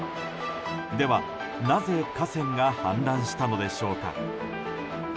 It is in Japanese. では、なぜ河川が氾濫したのでしょうか。